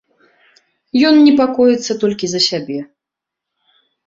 Ён непакоіцца толькі за сябе.